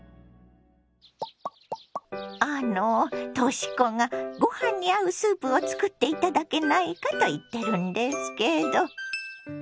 あのとし子がご飯に合うスープを作って頂けないかと言ってるんですけど。